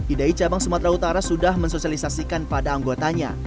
idai cabang sumatera utara sudah mensosialisasikan pada anggotanya